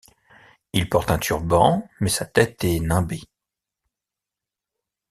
Il porte un turban mais sa tête est nimbé.